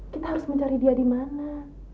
kita harus mencari dia di mana